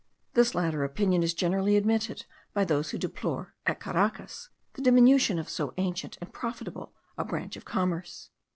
This latter opinion is generally admitted by those who deplore, at Caracas, the diminution of so ancient and profitable a branch of commerce.